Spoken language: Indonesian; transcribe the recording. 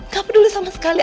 gak peduli sama sekali